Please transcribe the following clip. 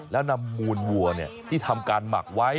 แล้วนำมูลวัวที่ทำการหมักไว้